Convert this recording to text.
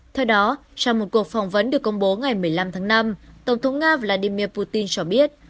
theo đó trong một cuộc phỏng vấn được công bố ngày một mươi năm tháng năm tổng thống nga vladimir putin cho biết